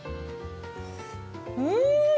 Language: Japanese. うん！